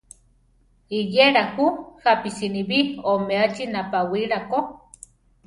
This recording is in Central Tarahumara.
Iyéla ju jápi sinibí omeachi napawíla ko.